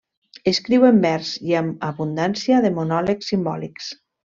Escriu en vers i amb abundància de monòlegs simbòlics.